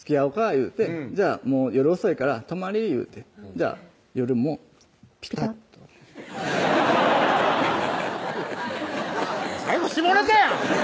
いうて「もう夜遅いから泊まり」いうてじゃあ夜もピタっ最後下ネタやん！